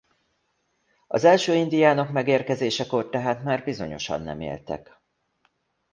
Az első indiánok megérkezésekor tehát már bizonyosan nem éltek.